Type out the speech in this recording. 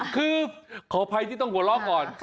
คือขออภัยที่ต้องหัวเราะก่อน